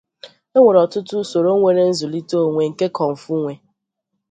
Enwere ọtụtụ usoro nwere nzulite onwe nke kung fu enwe.